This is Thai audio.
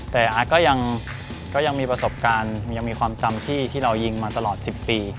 แต่อาร์ตก็ยังมีประสบการณ์ยังมีความจำที่เรายิงมาตลอด๑๐ปี